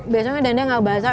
biasanya dendeng gak basah